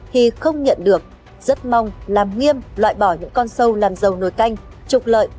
khi không nhận được rất mong làm nghiêm loại bỏ những con sâu làm dầu nổi